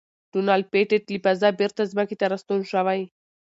ډونلډ پېټټ له فضا بېرته ځمکې ته راستون شوی.